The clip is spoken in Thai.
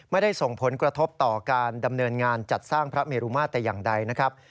ไม่ได้ส่งผลกระทบต่อการดำเนินงานจัดสร้างพระเมรุมาตรแต่อย่างใดนะครับ